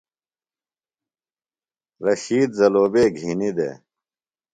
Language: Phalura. رشید زلوبے گِھینہ دےۡ۔